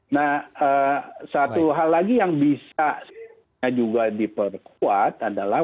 nah satu hal lagi yang bisa juga diperkuat adalah